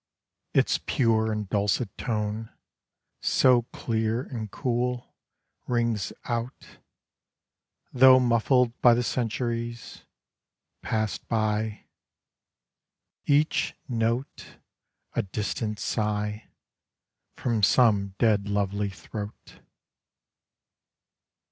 ITS pure and dulcet tone So clear and cool Rings out — tho' muffled by the centuries Passed by ; Each note A distant sigh From some dead lovely throat.